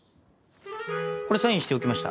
これサインしておきました